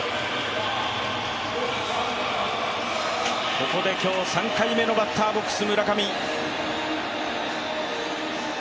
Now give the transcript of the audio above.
ここで今日３回目のバッターボックス村上。